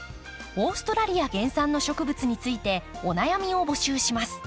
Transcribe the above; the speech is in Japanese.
オーストラリア原産の植物についてお悩みを募集します。